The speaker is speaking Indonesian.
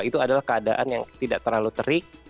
itu adalah keadaan yang tidak terlalu terik